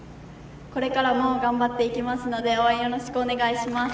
これからも頑張っていきますので、応援よろしくお願いします。